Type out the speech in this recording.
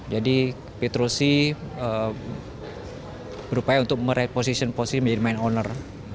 jadi petrosya berupaya untuk mereposition posisi menjadi main owner